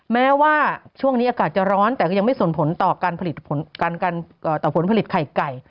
แม้ว่าช่วงนี้อากาศจะร้อนแต่ก็ยังไม่ส่งผลต่อการต่อผลผลิตไข่ไก่